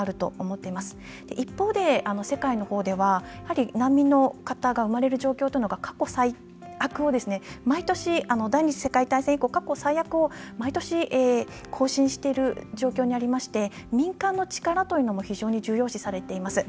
一方で世界の方では難民の方が生まれる状況というのが第２次世界大戦以降過去最悪を毎年更新してる状況にありまして民間の力というのも非常に重要視されています。